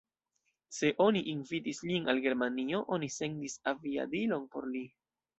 Se oni invitis lin al Germanio, oni sendis aviadilon por li.